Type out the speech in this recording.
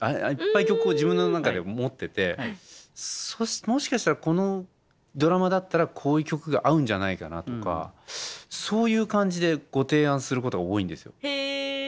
いっぱい曲を自分の中で持っててもしかしたらこのドラマだったらこういう曲が合うんじゃないかなとかそういう感じでご提案することが多いんですよ。